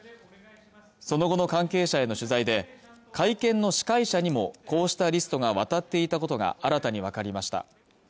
その後の関係者への取材で会見の司会者にもこうしたリストが渡っていたことが新たに分かりました